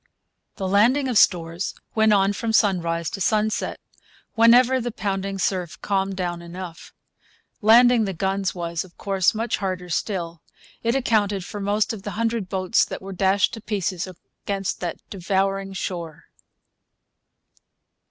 The landing of stores went on from sunrise to sunset, whenever the pounding surf calmed down enough. Landing the guns was, of course, much harder still. It accounted for most of the hundred boats that were dashed to pieces against that devouring shore.